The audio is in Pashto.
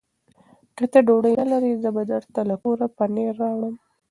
که ته ډوډۍ نه لرې، زه به درته له کوره پنېر راوړم.